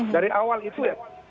dari awal itu